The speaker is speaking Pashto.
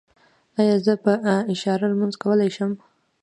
ایا زه په اشاره لمونځ کولی شم؟